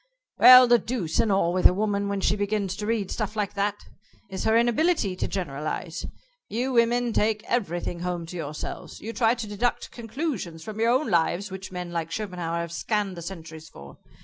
"Well, the deuce and all with a woman when she begins to read stuff like that is her inability to generalize. You women take everything home to yourselves. You try to deduct conclusions from your own lives which men like Schopenhauer have scanned the centuries for.